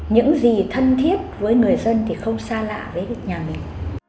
những gì thân thiết với người dân thì không xa lạ với nhà mình